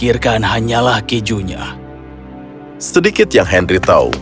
ini memang dibawa di dewan yang senang di sana